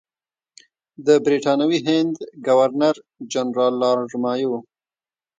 د برټانوي هند ګورنر جنرال لارډ مایو.